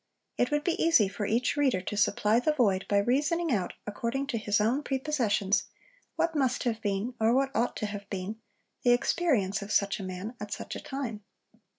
It would be easy for each reader to supply the void by reasoning out, according to his own prepossessions, what must have been, or what ought to have been, the experience of such a man at such a time.